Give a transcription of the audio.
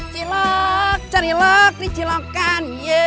cilok cari cilok di cilokkan